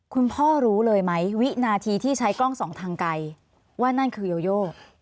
คุณพ่อรู้เลยไหมวินาทีที่ใช้กล้องสองทางไกลว่านั่นคือโยโย